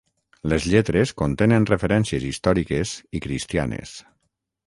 Les lletres contenen referències històriques i cristianes.